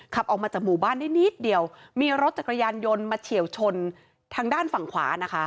ขับออกมาจากหมู่บ้านได้นิดเดียวมีรถจักรยานยนต์มาเฉียวชนทางด้านฝั่งขวานะคะ